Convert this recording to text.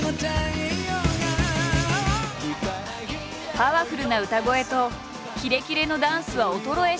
パワフルな歌声とキレキレのダンスは衰え知らず。